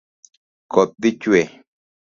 Koth dhi chwe